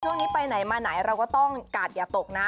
ช่วงนี้ไปไหนมาไหนเราก็ต้องกาดอย่าตกนะ